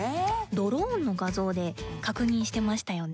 ドローンの画像で確認してましたよね？